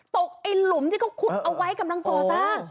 ตกไอหลุมที่เขากำลังคดเอาไว้กับน้องก่อซ่า